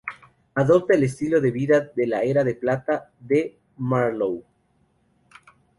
Adopta el "Estilo de Vida de la Era de Plata" de Marlowe.